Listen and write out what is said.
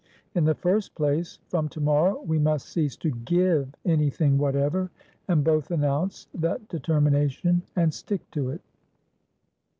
In the first place, from to morrow, we must cease to give any thing whatever, and both announce that determination and stick to it."